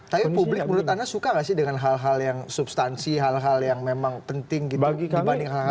tapi publik menurut anda suka nggak sih dengan hal hal yang substansi hal hal yang memang penting gitu dibanding hal hal yang lain